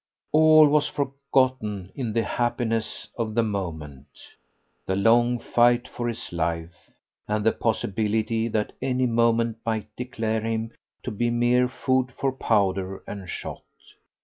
All was forgotten in the happiness of the moment the long fight for his life, and the possibility that any moment might declare him to be mere food for powder and shot.